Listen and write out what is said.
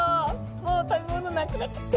もう食べ物なくなっちゃってるよ」